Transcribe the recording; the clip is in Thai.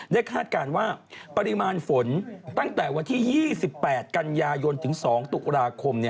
คาดการณ์ว่าปริมาณฝนตั้งแต่วันที่๒๘กันยายนถึง๒ตุลาคม